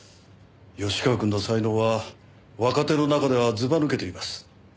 芳川くんの才能は若手の中ではずば抜けています。